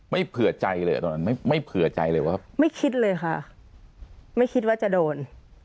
ไม่คิดว่าจะโดน